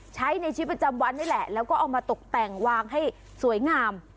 ใช้ในชีวิตประจำวันนี่แหละแล้วก็เอามาตกแต่งวางให้สวยงาม